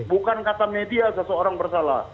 bukan kata media seseorang bersalah